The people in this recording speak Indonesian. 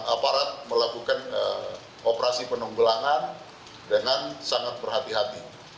aparat melakukan operasi penanggulangan dengan sangat berhati hati